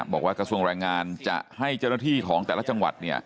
กระทรวงแรงงานจะให้เจ้าหน้าที่ของแต่ละจังหวัด